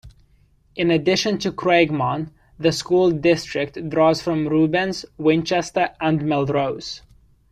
In addition to Craigmont, the school district draws from Reubens, Winchester, and Melrose.